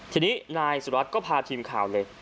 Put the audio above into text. ทีนี้นายสุรัตนก็พาทีมข่าวเลย